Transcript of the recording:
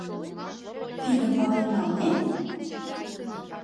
— Тидым пален налнет?